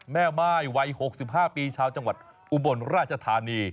แม่มายวัยหกสิบห้าปีชาวจังหวัดอุบลราชธานี